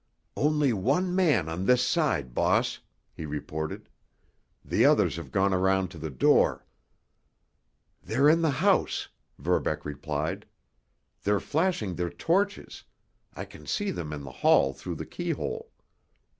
"Only one man on this side, boss," he reported. "The others have gone around to the door." "They're in the house," Verbeck replied. "They're flashing their torches—I can see them in the hall through the keyhole."